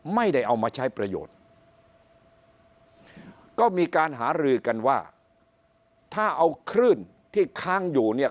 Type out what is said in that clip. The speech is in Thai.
ไม่ได้เอามาใช้ประโยชน์ก็มีการหารือกันว่าถ้าเอาคลื่นที่ค้างอยู่เนี่ย